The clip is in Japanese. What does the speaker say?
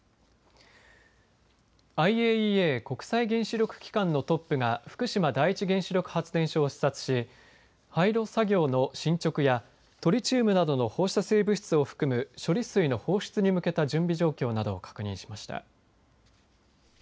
ＩＡＥＡ国際原子力機関のトップが福島第一原子力発電所を視察し廃炉作業の進捗やトリチウムなどの放射性物質を含む処理水の放出に向けた準備状況などを確認しました。